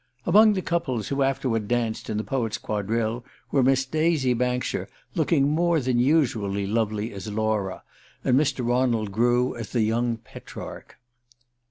"Among the couples who afterward danced in the Poets' Quadrille were Miss Daisy Bankshire, looking more than usually lovely as Laura, and Mr. Ronald Grew as the young Petrarch."